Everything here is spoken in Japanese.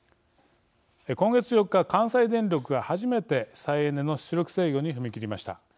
今月４日関西電力が初めて再エネの出力制御に踏み切りました。